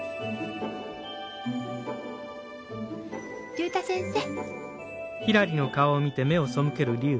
竜太先生。